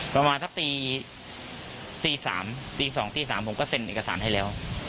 ประมาณสักตี๓ตี๒ตี๓ผมก็เซ็นเอกสารให้แล้ว